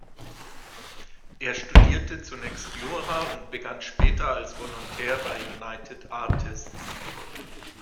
Er studierte zunächst Jura und begann später als Volontär bei United Artists.